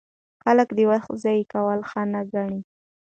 خلک د وخت ضایع کول ښه نه ګڼي.